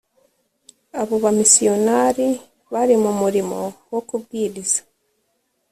abo bamisiyonari bari mu murimo wo kubwiriza